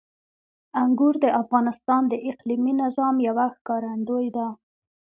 انګور د افغانستان د اقلیمي نظام یوه ښکارندوی ده.